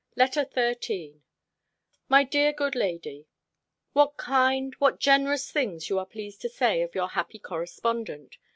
LETTER XIII MY DEAR GOOD LADY, What kind, what generous things are you pleased to say of your happy correspondent!